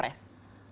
betul tidak dari pkb